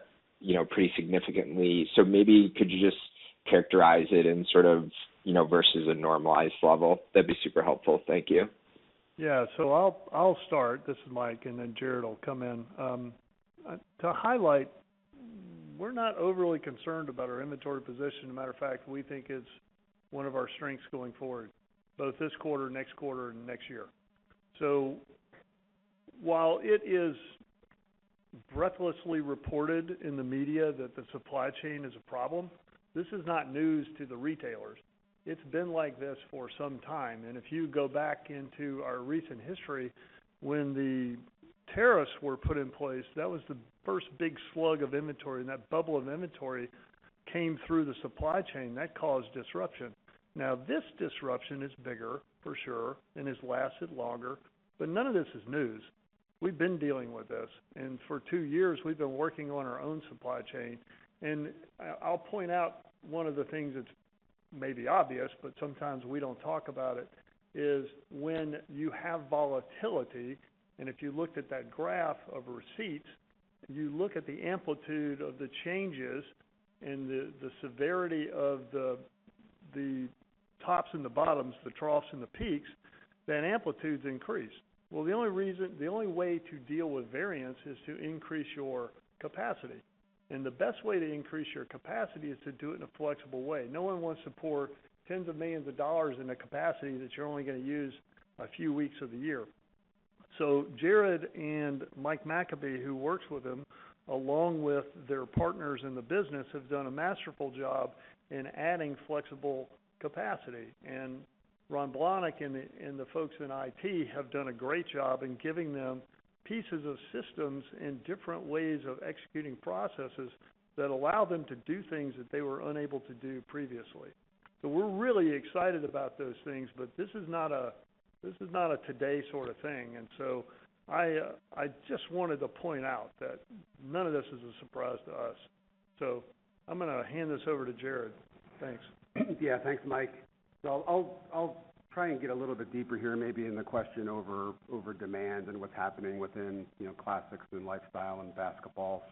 you know, pretty significantly. Maybe could you just characterize it in sort of, you know, versus a normalized level? That'd be super helpful. Thank you. Yeah. I'll start, this is Mike, and then Jared will come in. To highlight, we're not overly concerned about our inventory position. As a matter of fact, we think it's one of our strengths going forward, both this quarter, next quarter and next year. While it is breathlessly reported in the media that the supply chain is a problem, this is not news to the retailers. It's been like this for some time. If you go back into our recent history, when the tariffs were put in place, that was the first big slug of inventory, and that bubble of inventory came through the supply chain. That caused disruption. Now, this disruption is bigger for sure and has lasted longer, but none of this is news. We've been dealing with this, and for two years we've been working on our own supply chain. I’ll point out one of the things that’s maybe obvious, but sometimes we don’t talk about it, is when you have volatility, and if you looked at that graph of receipts, you look at the amplitude of the changes and the severity of the tops and the bottoms, the troughs and the peaks, that amplitudes increase. Well, the only way to deal with variance is to increase your capacity. The best way to increase your capacity is to do it in a flexible way. No one wants to support tens of millions of dollars in a capacity that you’re only going to use a few weeks of the year. Jared and Mike McAbee, who works with him, along with their partners in the business, have done a masterful job in adding flexible capacity. Ron Blahnik and the folks in IT have done a great job in giving them pieces of systems and different ways of executing processes that allow them to do things that they were unable to do previously. We're really excited about those things, but this is not a today sorta thing. I just wanted to point out that none of this is a surprise to us. I'm going to hand this over to Jared. Thanks. Yeah, thanks, Mike. I'll try and get a little bit deeper here maybe in the question over demand and what's happening within, you know, classics and lifestyle and basketball.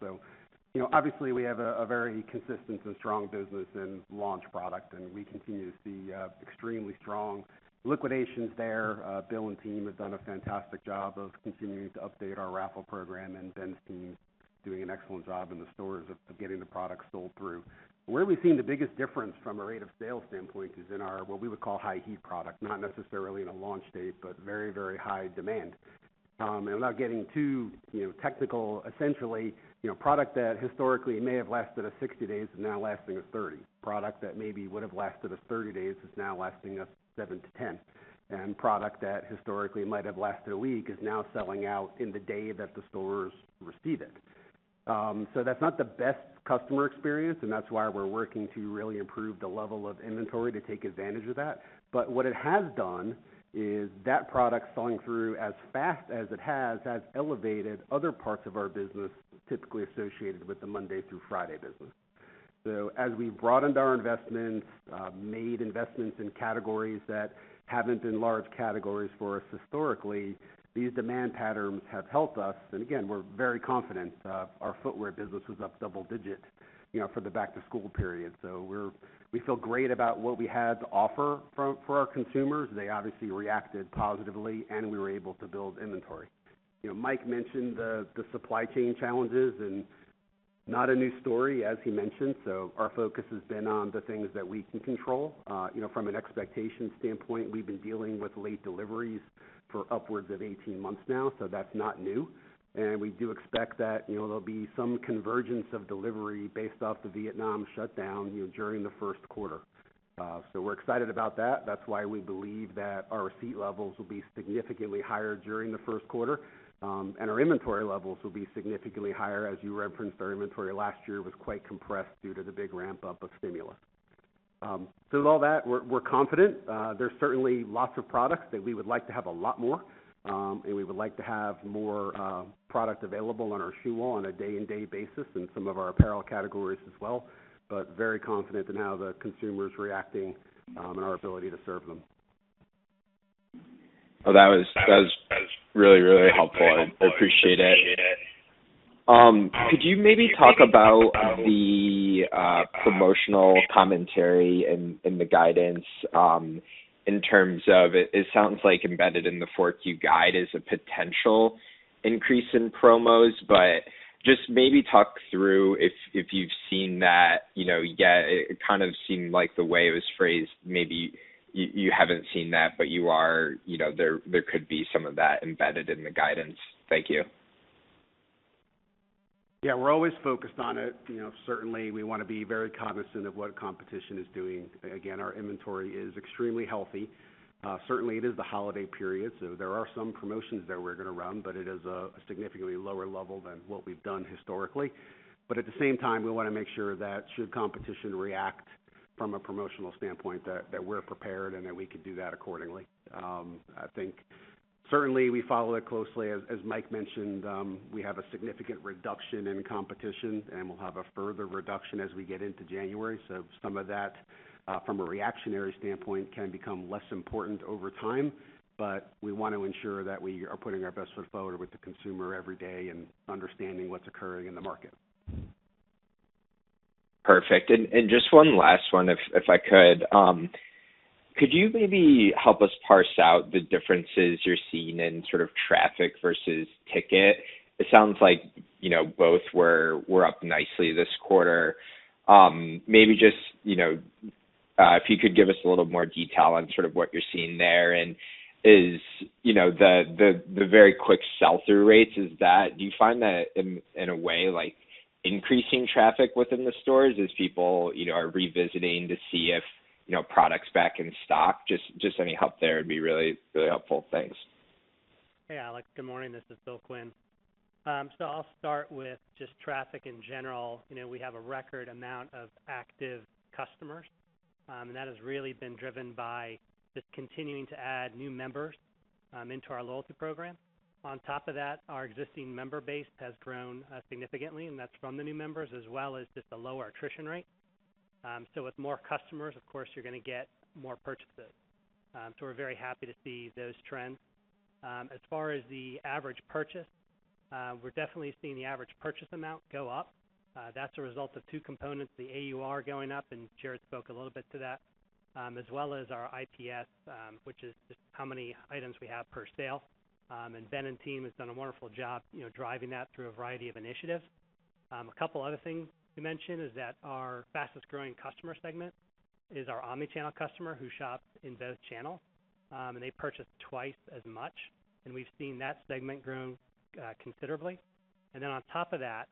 You know, obviously, we have a very consistent and strong business in launch product, and we continue to see extremely strong liquidations there. Bill and team have done a fantastic job of continuing to update our raffle program, and Ben's team is doing an excellent job in the stores of getting the product sold through. Where we've seen the biggest difference from a rate of sale standpoint is in our, what we would call high heat product. Not necessarily in a launch date, but very, very high demand. And without getting too, you know, technical, essentially, you know, product that historically may have lasted us 60 days is now lasting us 30. Product that maybe would have lasted us 30 days is now lasting us seven to 10. Product that historically might have lasted a week is now selling out in the day that the stores receive it. That's not the best customer experience, and that's why we're working to really improve the level of inventory to take advantage of that. What it has done is that product selling through as fast as it has elevated other parts of our business typically associated with the Monday through Friday business. As we broadened our investments, made investments in categories that haven't been large categories for us historically, these demand patterns have helped us. Again, we're very confident. Our footwear business was up double digit for the back to school period. We feel great about what we had to offer for our consumers. They obviously reacted positively, and we were able to build inventory. You know, Mike mentioned the supply chain challenges, and it's not a new story as he mentioned, so our focus has been on the things that we can control. You know, from an expectation standpoint, we've been dealing with late deliveries for upwards of 18 months now, so that's not new. We do expect that there'll be some convergence of delivery based off the Vietnam shutdown, you know, during the first quarter. We're excited about that. That's why we believe that our receipt levels will be significantly higher during the first quarter, and our inventory levels will be significantly higher. As you referenced, our inventory last year was quite compressed due to the big ramp-up of stimulus. with all that, we're confident. There's certainly lots of products that we would like to have a lot more, and we would like to have more product available on our shoe wall on a day-to-day basis in some of our apparel categories as well. Very confident in how the consumer is reacting, and our ability to serve them. Well, that was really helpful. I appreciate it. Could you maybe talk about the promotional commentary and the guidance in terms of it. It sounds like embedded in the 4Q guide is a potential increase in promos. Just maybe talk through if you've seen that, you know, yet. It kind of seemed like the way it was phrased, maybe you haven't seen that, but you are, you know, there could be some of that embedded in the guidance. Thank you. Yeah, we're always focused on it. You know, certainly, we want to be very cognizant of what competition is doing. Again, our inventory is extremely healthy. Certainly, it is the holiday period, so there are some promotions that we're going to run, but it is a significantly lower level than what we've done historically. At the same time, we want to make sure that should competition react from a promotional standpoint, that we're prepared and that we could do that accordingly. I think certainly we follow it closely. As Mike mentioned, we have a significant reduction in competition, and we'll have a further reduction as we get into January. Some of that from a reactionary standpoint can become less important over time. We want to ensure that we are putting our best foot forward with the consumer every day and understanding what's occurring in the market. Perfect. Just one last one if I could. Could you maybe help us parse out the differences you're seeing in sort of traffic versus ticket? It sounds like, you know, both were up nicely this quarter. Maybe just, you know, if you could give us a little more detail on sort of what you're seeing there. Is, you know, the very quick sell-through rates, is that, do you find that in a way, like, increasing traffic within the stores as people, you know, are revisiting to see if, you know, product's back in stock? Just any help there would be really helpful. Thanks. Hey, Alex. Good morning. This is Bill Quinn. I'll start with just traffic in general. You know, we have a record amount of active customers, and that has really been driven by just continuing to add new members into our loyalty program. On top of that, our existing member base has grown significantly, and that's from the new members as well as just a lower attrition rate. With more customers, of course, you're going to get more purchases. We're very happy to see those trends. As far as the average purchase We're definitely seeing the average purchase amount go up. That's a result of two components, the AUR going up, and Jared spoke a little bit to that, as well as our IPS, which is just how many items we have per sale. Ben and team has done a wonderful job, you know, driving that through a variety of initiatives. A couple other things to mention is that our fastest-growing customer segment is our omni-channel customer who shops in both channels. They purchase twice as much, and we've seen that segment grow, considerably. On top of that,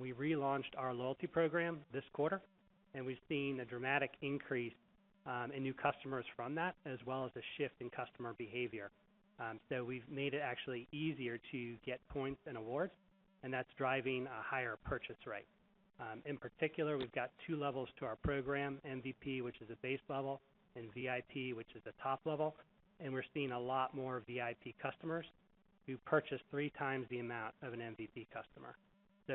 we relaunched our loyalty program this quarter, and we've seen a dramatic increase, in new customers from that, as well as a shift in customer behavior. We've made it actually easier to get points and awards, and that's driving a higher purchase rate. In particular, we've got two levels to our program, MVP, which is a base level, and VIP, which is the top level. We're seeing a lot more VIP customers who purchase 3x the amount of an MVP customer.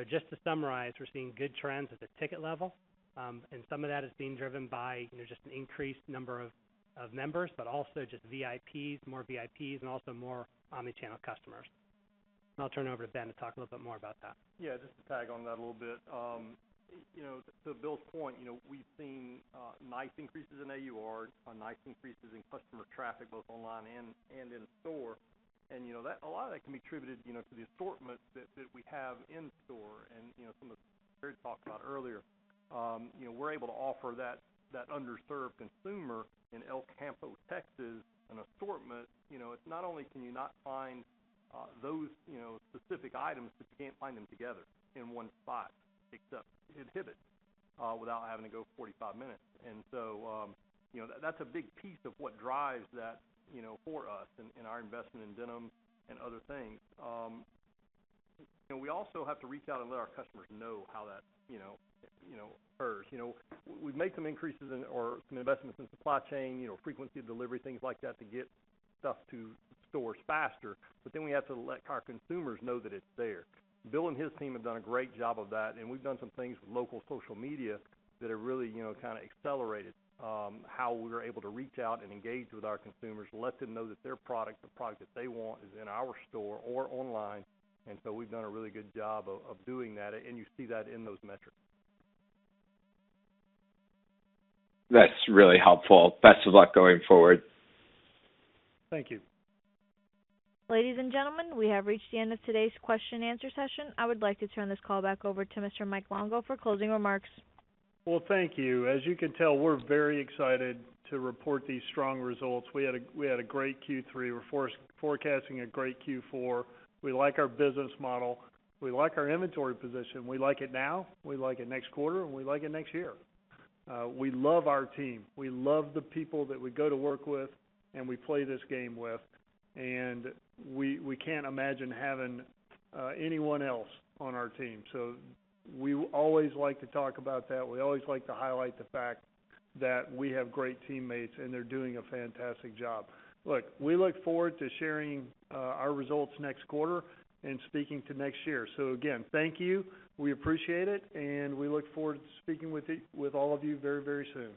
Just to summarize, we're seeing good trends at the ticket level, and some of that is being driven by, you know, just an increased number of members, but also just VIPs, more VIPs and also more omni-channel customers. I'll turn it over to Ben to talk a little bit more about that. Yeah, just to tag on that a little bit. You know, to Bill's point, you know, we've seen nice increases in AUR, nice increases in customer traffic, both online and in store. You know, that a lot of that can be attributed, you know, to the assortment that we have in store. You know, some of Jared talked about earlier. You know, we're able to offer that underserved consumer in El Campo, Texas, an assortment. You know, it's not only can you not find those, you know, specific items, but you can't find them together in one spot, except Hibbett, without having to go 45 minutes. You know, that's a big piece of what drives that, you know, for us in our investment in denim and other things. We also have to reach out and let our customers know how that, you know, occurs. You know, we've made some increases in or some investments in supply chain, you know, frequency of delivery, things like that to get stuff to stores faster. Then we have to let our consumers know that it's there. Bill and his team have done a great job of that, and we've done some things with local social media that have really, you know, kind of accelerated how we were able to reach out and engage with our consumers, let them know that their product, the product that they want is in our store or online. We've done a really good job of doing that, and you see that in those metrics. That's really helpful. Best of luck going forward. Thank you. Ladies and gentlemen, we have reached the end of today's question-and-answer session. I would like to turn this call back over to Mr. Mike Longo for closing remarks. Well, thank you. As you can tell, we're very excited to report these strong results. We had a great Q3. We're forecasting a great Q4. We like our business model. We like our inventory position. We like it now, we like it next quarter, and we like it next year. We love our team. We love the people that we go to work with and we play this game with, and we can't imagine having anyone else on our team. We always like to talk about that. We always like to highlight the fact that we have great teammates, and they're doing a fantastic job. Look, we look forward to sharing our results next quarter and speaking to next year. Again, thank you. We appreciate it, and we look forward to speaking with all of you very, very soon.